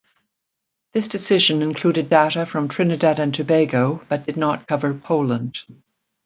This decision included data from Trinidad and Tobago but did not cover Poland.